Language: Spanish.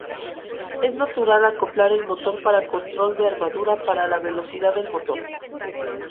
Es natural acoplar el motor para control de armadura para la velocidad del motor.